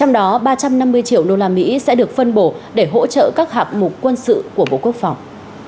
trong đó ba trăm năm mươi triệu đô la mỹ sẽ được phân bổ để hỗ trợ các hạng mục quân sự của bộ quốc phòng